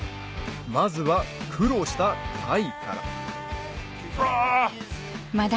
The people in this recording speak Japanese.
まずは苦労した鯛からあ！